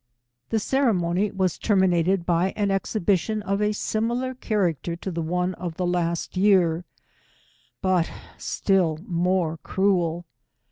The ceremony was terminated by an exhibition of a similar character to the ona of the last year, 163 0at still more cruel.